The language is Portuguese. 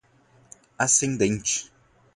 ascendente